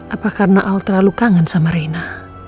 apa karena al terlalu kangen sama reina